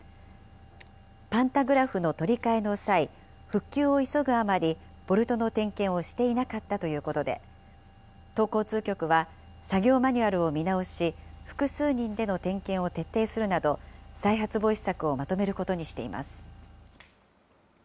パンタグラフの取り替えの際、復旧を急ぐあまり、ボルトの点検をしていなかったということで、都交通局は、作業マニュアルを見直し、複数人での点検を徹底するなど、再発防止策をまとめることにしています。